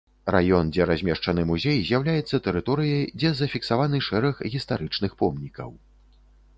Раён, дзе размешчаны музей з'яўляецца тэрыторыяй, дзе зафіксаваны шэраг гістарычных помнікаў.